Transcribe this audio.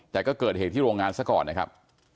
แต่ก็เกิดเหตุที่โรงงานซะก่อนนะครับ